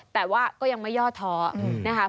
แต่ว่าก็ยังไม่ย่อท้อนะคะ